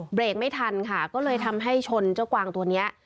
เบรกไม่ทันค่ะก็เลยทำให้ชนเจ้ากวางตัวเนี้ย